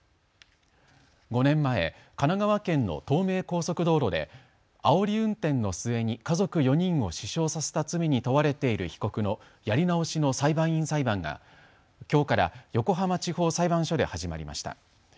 ５年前、神奈川県の東名高速道路であおり運転の末に家族４人を死傷させた罪に問われている被告のやり直しの裁判員裁判がきょうから横浜地方裁判所で始まりました。